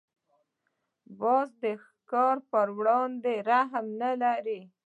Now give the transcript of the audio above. باز د ښکار پر وړاندې رحم نه لري